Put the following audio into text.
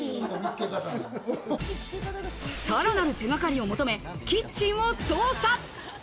さらなる手がかりを求め、キッチンを捜査。